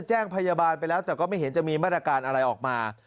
แจ้งพยาบาลไปแล้วแต่ก็ไม่เห็นจะมีมาตรการอะไรออกมา